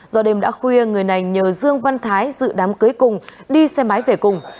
do đêm đã khuya người này nhờ dương văn thái dự đám cưới cùng đi xe máy về cùng